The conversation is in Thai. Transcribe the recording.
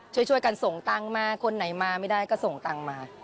ช่วยกันส่งตังค์มาคนไหนมาไม่ได้ก็ส่งตังค์มา